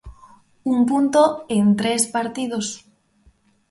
Un punto en tres partidos.